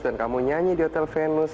dan kamu nyanyi di hotel venus